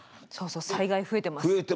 災害増えてます。